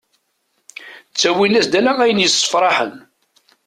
Ttawin-as-d ala ayen yessefraḥen.